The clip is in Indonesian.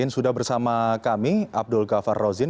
sudah bersama kami abdul ghaffar rozin